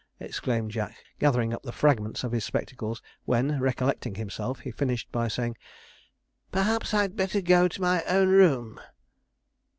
exclaimed Jack, gathering up the fragments of his spectacles; when, recollecting himself, he finished by saying, 'Perhaps I'd better go to my own room.'